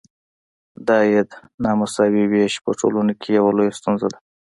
د عاید نامساوي ویش په ټولنو کې یوه لویه ستونزه ده.